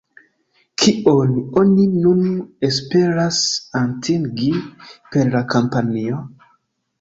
Kion oni nun esperas atingi per la kampanjo?